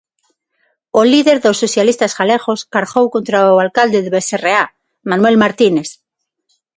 O líder dos socialistas galegos cargou contra o alcalde de Becerreá, Manuel Martínez.